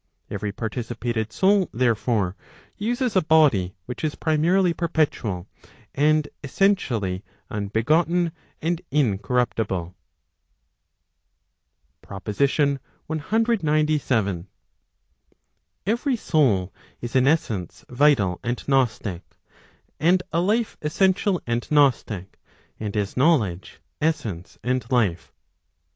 Every participated soul, therefore, uses a body which is primarily perpetual, and essentially unbegotten and incorruptible. PROPOSITION CXCVII. Every soul is an essence vital and gnostic, and a life essential and gnostic, and is knowledge, essence, and life.